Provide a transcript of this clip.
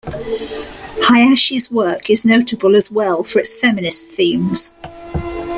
Hayashi's work is notable as well for its feminist themes.